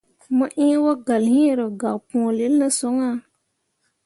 Mo ĩĩ wogalle hĩĩ ro gak pũũlil ne son ah.